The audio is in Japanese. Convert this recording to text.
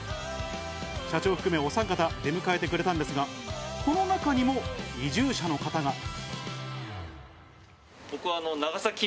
社長を含めおさん方、出迎えてくれたんですが、この中にも移住者の方が。